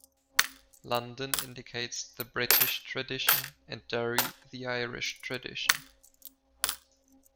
'London' indicates the British tradition and 'Derry' the Irish tradition.